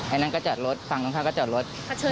มีการฆ่ากันห้วย